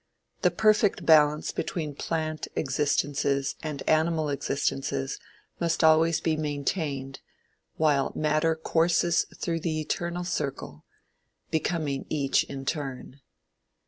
The perfect balance between plant existences and animal existences must always be maintained, while matter courses through the eternal circle, becoming each in turn.